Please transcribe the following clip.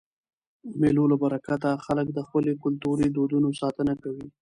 د مېلو له برکته خلک د خپلو کلتوري دودونو ساتنه کوي.